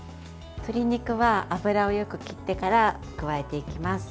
鶏肉は油をよく切ってから加えていきます。